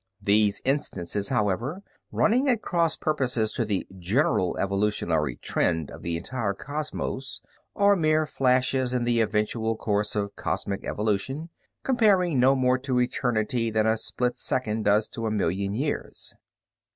These instances, however, running at cross purposes to the general evolutional trend of the entire cosmos, are mere flashes in the eventual course of cosmic evolution, comparing no more to eternity than a split second does to a million years.